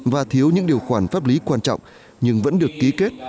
và thiếu những điều khoản pháp lý quan trọng nhưng vẫn được ký kết